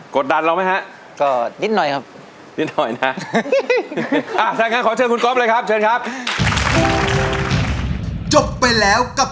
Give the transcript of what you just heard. กดดันเราไหมครับ